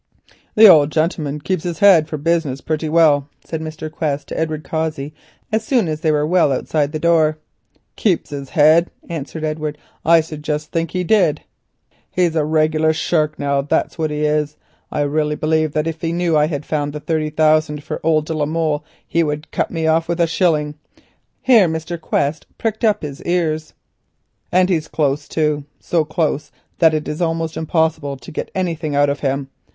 "The old gentleman keeps his head for business pretty well," said Mr. Quest to Edward Cossey as soon as they were well outside the door. "Keeps his head?" answered Edward, "I should just think he did. He's a regular shark now, that's what he is. I really believe that if he knew I had found thirty thousand for old de la Molle he would cut me off with a shilling." Here Mr. Quest pricked up his ears. "And he's close, too," he went on, "so close that it is almost impossible to get anything out of him.